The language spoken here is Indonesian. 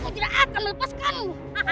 aku tidak akan melepaskanmu